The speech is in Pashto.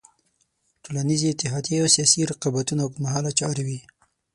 ټولنیزې اتحادیې او سیاسي رقابتونه اوږد مهاله چارې وې.